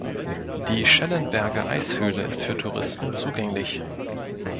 Die Schellenberger Eishöhle ist für Touristen zugänglich.